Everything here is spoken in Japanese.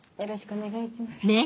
お願いします。